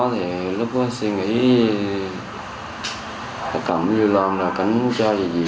thì lúc đó suy nghĩ cầm dư lông ra cánh chơi gì